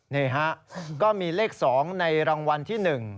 นี่ฮะก็มีเลข๒ในรางวัลที่๑